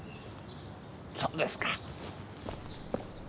そうですか。